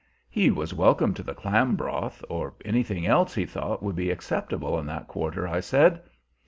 He was welcome to the clam broth, or anything else he thought would be acceptable in that quarter, I said.